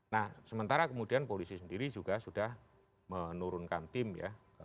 nah sementara kemudian polisi sendiri juga sudah menurunkan tim ya